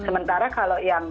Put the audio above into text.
sementara kalau yang